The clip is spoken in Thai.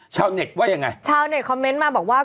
ชาวเน็ตว่ายังไงชาวเน็ตคอมเมนต์มาบอกว่า